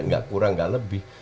gak kurang gak lebih